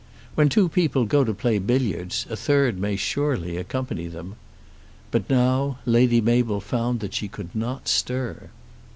When two people go to play billiards, a third may surely accompany them. But now, Lady Mabel found that she could not stir.